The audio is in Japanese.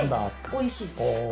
おいしいです。